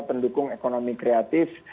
pendukung ekonomi kreatif